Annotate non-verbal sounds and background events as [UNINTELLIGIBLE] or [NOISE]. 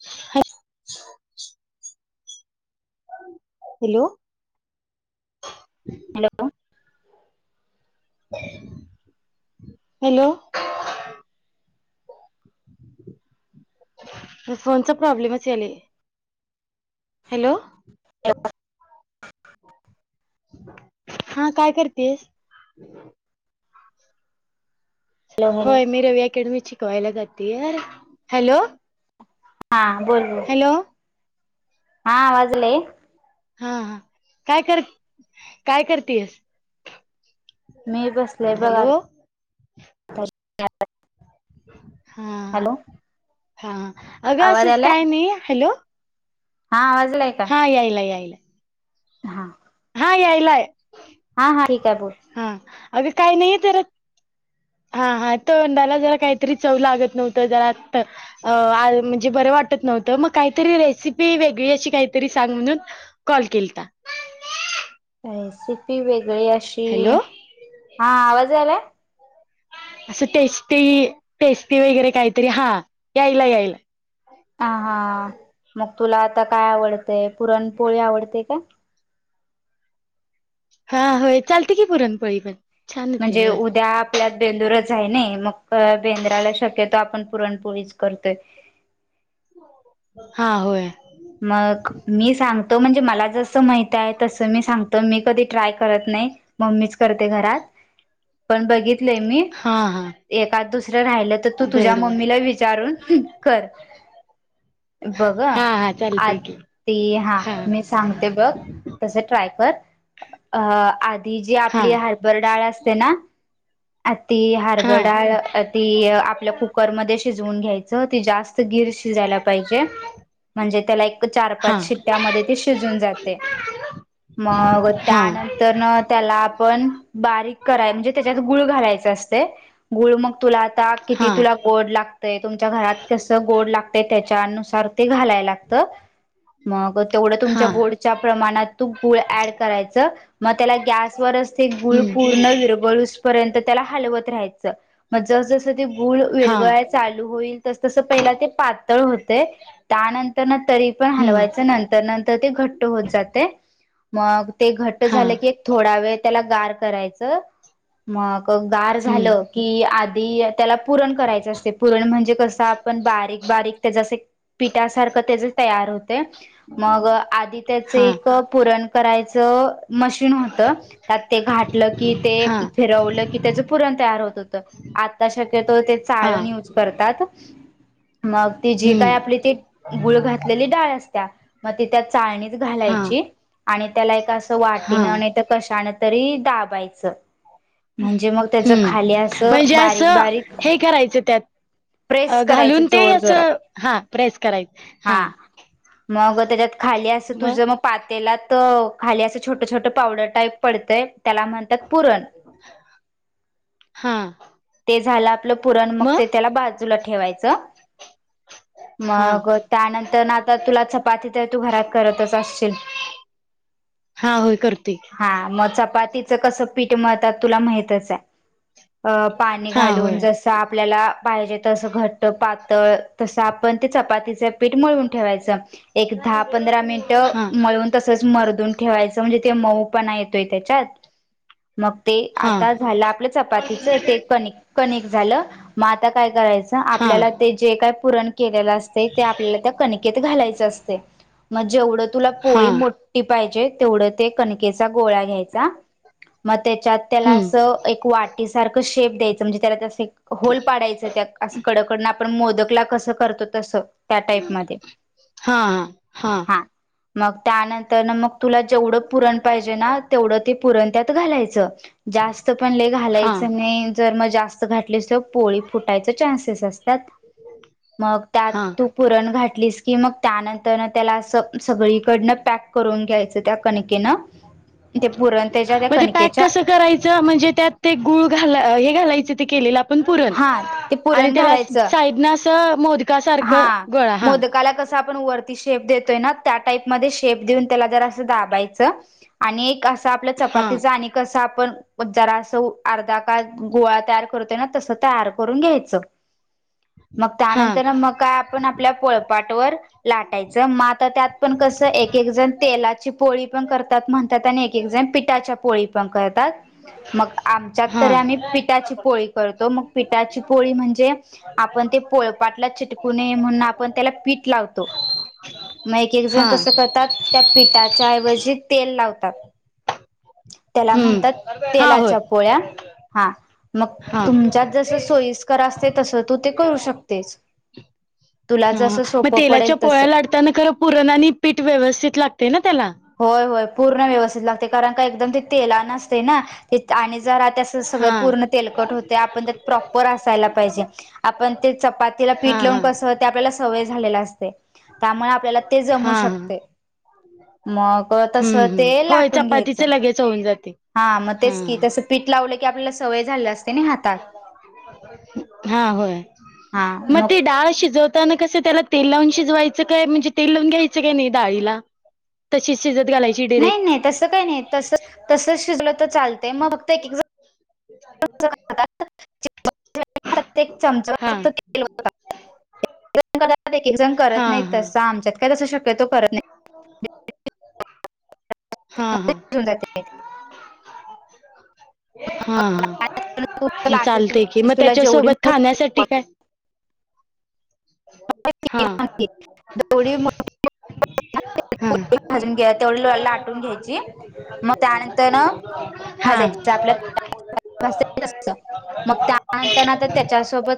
ह hello hello hello [UNINTELLIGIBLE] फोनचा प्रॉब्लेमच याले हॅलो [UNINTELLIGIBLE] हा काय करतेस हॅलो हॅलो होय मी रवि अकॅडमी मधे शिकवायला जाते हॅलो हा बोल ब हॅलो हा आवाज यायला हा काय कर काय करतेयस मी बसलेय बघा आता हा हॅलो हा अगं आवाज असंच आलाय? काय नाही हॅलो हा आवाज आलाय का? हा यायला यायल हा नाही यायला हा हा ठीक आहे बोल. अग काही नाहीये तर हा हा तोंडाला जरा काहीतरी चव लागत नव्हतं जरा आ म्हणजे बरं वा वाटत नव्हत म काहीत रेसिपी वेगळी अ काहीतरी सांग म्हणून कॉल केलता. [UNINTELLIGIBLE] रेसिपी वेगळी अशी हॅलो हा आवाज यायलाय. अस टेस्टी टेस्टी वगैरे काहीतरी हा यायलाय, यायलाय, ह हा मग तुला आता काय आवडतय पुरणपोळी आवडते काय? हा होय चलतय की पूरण पोळी पण. छान होते म्हणजे होय उद्या आपल्यात बेंदूरच हाय नय मग बेंद्राला शक्य त आपण पुरणपोळीच करतोय. हा होय. मग मी सांगतो म्हणजे मला जसं माहित आहे तसं मी सांगतो मी कधी ट्राय करत नाइ मम्मीच करते घरात पण बघितलय मी हा हा एकाद दुसरं राहिलं तर तू तुझ्या बर बर मम्मीला विचारून हुं कर. बगा हा हा चालते की ती हा ती जी हा आपली हरपर डाळ असते ना! ती हा हरबडा डाळ ती आपल्या कुकरमध्ये, शजवून घ्यायच ती जास्त गीर शिजयला पाहिजे, म्हणजे त्याला एक चार हा पाच शिट्ट्यामध्ये ते शिजून जातय. मग हा त्यानंतर न त्याला, आपण बारीक कराय म्हणजे त्याच्यात गुळ घालायच असतय गुळ मग तुला आ ता किती हा तुला कोड लाग ते तुमच्या घरात कस गोड लागतय त्याच्यानुसार ते घालाय लागत मग, तेवड हा तुमच्या गोडच्या प्रमाणात तु गुळ एड करायच मग त्याला गॅसवरच चे गुळ हम्म पूर्ण विरगुळूस पर्यंत त्याला हलवत राहायचं. मग जस जसं ते गुळ हा विरगळाय चालू होईल तस तस पहिला ते पातळ होतय. त्यानंतर तरी पण हम्म हलवायच नंतर नंतर ते घट्ट होत जातय. मग ते घट्ट हा झालं की एक थोडा वेळ त्याला गार करायचं, मग अ गार हम्म झालं की आदी त्याला पुरण करायचं असतय पुरण म्हणजे कसं आपण बारीक बारीक त्याच अस एक. पिठासारखं त्याच तयार होत. ते मग अ आधी त्याच हा एक पुरण करायचं अ मशीन होत. त्यात ते घाटलं की ते, हा फिरवलं की त्याच पुरण तयार होत होत आता शक्यतो ते हा चाळण यूज करतात. मग ती जी काय हम्म आपली अ ती गुळ घातलेली डाळ असत्या मग ती त्यात चाळणीच हा घालायची आणि त्याला एक अस हा वाटीन नाहीतर कशाने तरी दाब पायच. म्हणजे मग त्याच हम्म खाली असं म्हणजे बारीक, असं बारीक हे करायचं त्यात अ प्रेस करायचं घालून ते जोर अस जोरात हा प्रेस कराय हा. मग त्याच्यात खाली असं तुझं मग पातेलात अ तर खाली असं छोटं छोटं पावडर, टाईप पडतय त्याला म्हणतात पुरण, हा ते झालं आपलं पुरण मग ते त्याला बाजू जूला ठेवायच हा मग त्यानंतर तर ना आता तुला चपाती तर तू घरात करतच असचील. हा होय करते हा मग चपातीत कसं पीठ मळतात ते तुला माहीतच आहे. अ पाणी हा घालून होय जस आपल्याला पाहिजे तसं घट्ट पातळ तसं आपण ते, चपातीच पीठ मळून ठेवायच एक दहा पंध मिनट हा मळून तसच मरदून ठेवायच. रायच म्हणजे ते मऊ, पणा येतोय त्याच्यात मग ते हा आता झालं आपलं चपातीच ते कणिक कणिक झालं मग आता काय करायचं हा आपल्याला ते जे काय पुरण, केलेलं असतय ते आपल्याला त्या कणिकेत घालायचं असतय. म जेवढं तुला हा पोळी मोठी पाहिजे तेवढं, ते कणकेचा गोळा घ्यायचा म तेच्यात तेला हम्म अस एक वाटिसारख शे शेप द्यायच म्हणजे त्याला ते अस एक होल पाडायच त्या कडकडन आप मोद कस करतो तस त्या टाईप मध्ये हा हा, मग त्यानंतर ना मग तुला जेवढं पुरण पाहिजे ना तेवढं ते पुरण त्यात घालायचं. जास्त पण ल हा घालायचं नाही, जर मग जास्त घातली तर पोळी फुटायचे चान्सेस असतात. मग त्यात हा तू पुरण घातलीस की मग त्यानंतर त्याला अस सगळीकडन पॅक करून घ्यायच त्या कणिकेन ते पुरण त्याच्या त्या मग ते पॅक कणकेत कसं करायचं म्हणजे त्यात ते गुळ घाला हे घालायच ते केलेलं. पण पूरण हा ते पुरण त्याला घालायचं साईड न असं मोदका. हा मोदकाला कस आपण वरती [UNINTELLIGIBLE] शे देतोय त्या टाईप म शेप देऊन त्याला ज अस दायच आणि आपल्या हा चपातीचा आणि कस आपण जरा असं अर्धा का गोळा तयार करतोय ना तसं तयार करून घ्यायचं मग हा त्यानंतर मग काय आपण आपल्या पोळ पाट वर लाटायचं म आात त्यात पण कस एक एक जण तेलाची पोळी पण करतात म्हणतात आणि एकण पिठाच्या पोळी पण करतात मग आमच्या हा तरी पठाची पोळी करतो मग पाची पोळी म्हणजे आपण ते पाटला चिटकू नये म्हणून आपण त्याला पीठ लावतो मग एक एक जण हा कसं करतात त्या पिठाच्या ऐवजी तेल लावतात त्याला म्हणतात हम्म हा होय तेलाच्या पोळ्या हा मग हा तुमच्यात जस सोयीस्कर असते तस तू ते करू शक तेस तुला हा जसं मग सोपं पडेल तेलाच्या तसं. पोळ्या लाटताना खरं पुरण आणि पीठ व्यवस्थित लागते ना [UNINTELLIGIBLE] [INAUDIBLE] होय होय पूर्ण व्यवस्थित लागते कारण काय [UNINTELLIGIBLE] [INAUDIBLE] [UNINTELLIGIBLE] तेला नते ना ज सगळ हा पूर्ण तेलकट होते आप प्रोपर अस सायला पाहिजे आपण ते चपातीला हा पीठ लावून हा हा कस ते आपल्याला सवय झालेला असते त्यामुळे आपल्याला ते जमू हा शकते [UNINTELLIGIBLE] मग तसं हम्म ते हम्म होय लाटून घ्यायचं चपातीच लगेच होऊन जाते हा मग तेच की तसं पीठ लावलं की आपल्याला सवय झाली असते ना हातात हा होय मग ते डाळ शिजवत कस त्याला तेल लावून शिजवायचं काय म्हणजे तेल लावून घ्यायचं काय नाही डाळीला तशी शिजत घालायची नाही डिरेक्ट नाही तस काही नाही तस तस शिजलं तर चालतय मग फक्त एक एक जण म ते ्य [UNINTELLIGIBLE] [INAUDIBLE] प्रतेक चमचा हा फक्त ते [UNINTELLIGIBLE] [INAUDIBLE] एक जण करत हा नाहीत तस आमच्यात काय तस शक्यतो करत नाही [UNINTELLIGIBLE] [UNINTELLIGIBLE] [INAUDIBLE] हो [UNINTELLIGIBLE] [INAUDIBLE] हा हा शिजून जाते [UNINTELLIGIBLE] [INAUDIBLE] हा मग ह पाण्यात तू ते [UNINTELLIGIBLE] [INAUDIBLE] लाटून चालतय कि मग घेतलीस तुला जेवढी त्याच्यासोबत खाण्यासाठी काय [UNINTELLIGIBLE] हा दौडी [UNINTELLIGIBLE] [INAUDIBLE] ह [UNINTELLIGIBLE] [INAUDIBLE] ला- लाटून घ्यायची मग त्यानंतर ना हा हा भाजायची आपल्या [UNINTELLIGIBLE] [UNINTELLIGIBLE] मग त्यानंतर आता त्याच्यासोबत [UNINTELLIGIBLE] [INAUDIBLE]